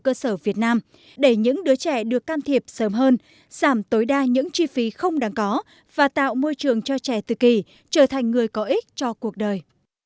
cơ sở việt nam để những đứa trẻ được can thiệp sớm hơn giảm tối đa những chi phí không đáng có và tạo môi trường cho trẻ tự kỷ trở thành người có ích cho cuộc đời